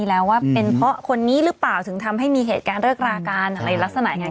แล้วว่าเป็นเพราะคนนี้หรือเปล่าถึงทำให้มีเหตุการณ์เลิกรากันอะไรลักษณะยังไง